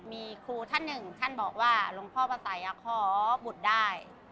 มีครูท่านหนึ่งท่านบอกว่าหลวงพ่อพระสัยขอบุตรได้